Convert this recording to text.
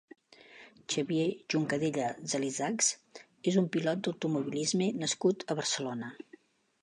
Xavier Juncadella Salisachs és un pilot d'automobilisme nascut a Barcelona.